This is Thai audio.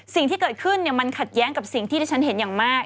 สิ่งที่เกิดขึ้นมันขัดแย้งกับสิ่งที่ที่ฉันเห็นอย่างมาก